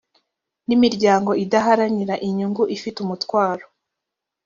n imiryango idaharanira inyungu ifite umutwaro